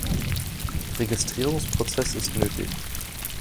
Registrierungsprozess ist nötig.